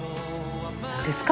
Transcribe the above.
何ですか？